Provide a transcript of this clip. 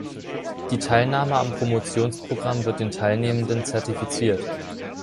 Die Teilnahme am Promotionsprogramm wird den Teilnehmenden zertifiziert.